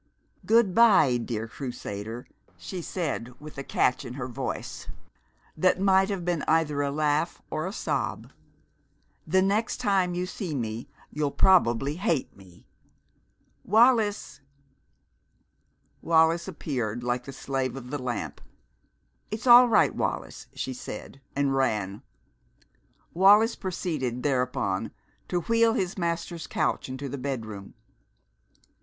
"Good by, dear Crusader!" she said with a catch in her voice that might have been either a laugh or a sob. "The next time you see me you'll probably hate me! Wallis!" Wallis appeared like the Slave of the Lamp. "It's all right, Wallis," she said, and ran. Wallis proceeded thereupon to wheel his master's couch into the bedroom.